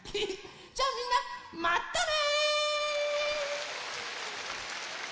じゃあみんなまたね。